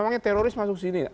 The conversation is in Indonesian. kenapa teroris masuk sini